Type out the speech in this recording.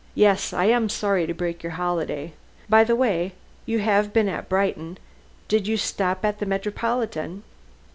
"Yes! I am sorry to break your holiday. By the way, you have been at Brighton. Did you stop at the Metropolitan?"